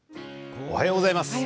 おはようございます。